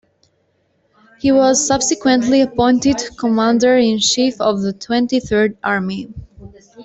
He was subsequently appointed Commander in chief of the Twenty Third Army.